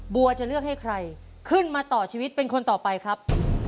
บัวจะเลือกให้ใครขึ้นมาต่อชีวิตเป็นคนต่อไปครับ